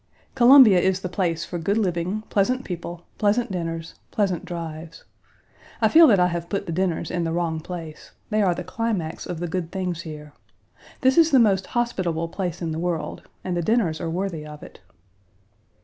Columbia is the place for good living, pleasant people, pleasant dinners, pleasant drives. I feel that I have put the dinners in the wrong place. They are the climax of the good things here. This is the most hospitable place in the world, and the dinners are worthy of it.